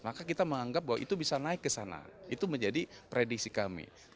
maka kita menganggap bahwa itu bisa naik ke sana itu menjadi prediksi kami